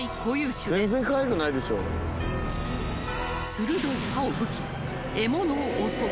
［鋭い歯を武器に獲物を襲う］